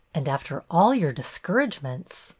And after all your dis couragements!